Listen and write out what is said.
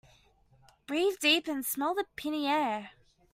Breathe deep and smell the piny air.